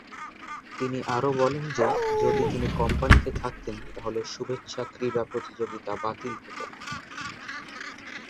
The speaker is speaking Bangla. তিনি আরো বলেন যে, যদি তিনি কোম্পানীতে থাকতেন তাহলে শুভেচ্ছা ক্রীড়া প্রতিযোগিতা বাতিল হতো না।